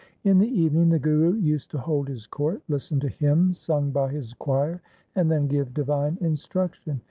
In the evening the Guru used to hold his court, listen to hymns sung by his choir, and then give divine instruction.